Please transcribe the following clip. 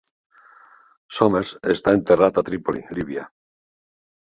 Somers està enterrat a Trípoli, Líbia.